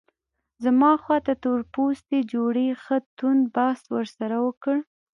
زما خواته تور پوستي جوړې ښه توند بحث ورسره وکړ.